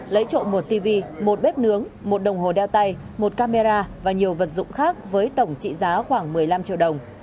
lấy trộm một tv một bếp nướng một đồng hồ đeo tay một camera và nhiều vật dụng khác với tổng trị giá khoảng một mươi năm triệu đồng